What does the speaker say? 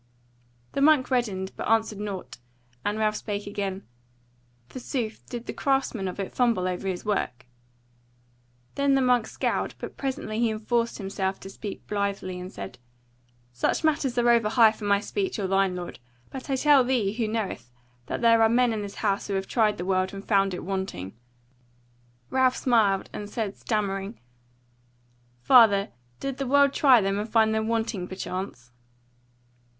The monk reddened, but answered nought, and Ralph spake again: "Forsooth, did the craftsman of it fumble over his work?" Then the monk scowled, but presently he enforced himself to speak blithely, and said: "Such matters are over high for my speech or thine, lord; but I tell thee, who knoweth, that there are men in this House who have tried the world and found it wanting." Ralph smiled, and said stammering: "Father, did the world try them, and find them wanting perchance?"